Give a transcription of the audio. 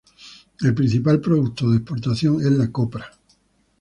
El principal producto de exportación es la copra.